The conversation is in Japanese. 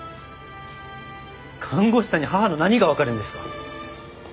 看護師さんに母の何がわかるんですか？